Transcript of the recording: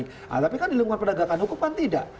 nah tapi kan di lingkungan pendegangan hukuman tidak